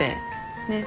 ねっ。